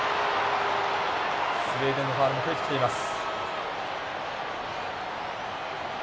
スウェーデンのファウルも増えてきています。